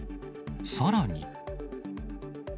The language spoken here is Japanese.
さらに。